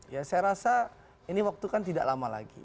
ya saya rasa ini waktu kan tidak lama lagi